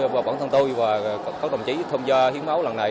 và bản thân tôi và các thổng chí thông gia hiến máu lần này